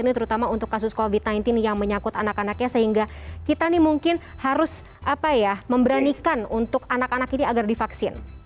ini terutama untuk kasus covid sembilan belas yang menyangkut anak anaknya sehingga kita nih mungkin harus memberanikan untuk anak anak ini agar divaksin